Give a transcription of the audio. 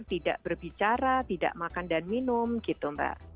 tidak berbicara tidak makan dan minum gitu mbak